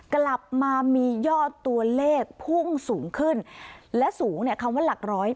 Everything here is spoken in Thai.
กลับมามียอดตัวเลขพุ่งสูงขึ้นและสูงเนี่ยคำว่าหลักร้อย